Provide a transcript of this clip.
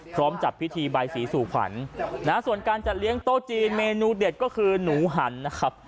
พร้อมจัดพิธีใบสีสู่ขวัญนะฮะส่วนการจัดเลี้ยงโต๊ะจีนเมนูเด็ดก็คือหนูหันนะครับ